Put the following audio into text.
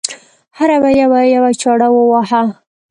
هر یوه یوه یوه چاړه وواهه.